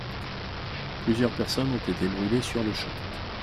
Plusieurs personnes ont été brûlées sur le champ.